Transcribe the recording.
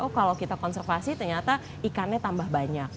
oh kalau kita konservasi ternyata ikannya tambah banyak